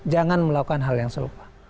jangan melakukan hal yang serupa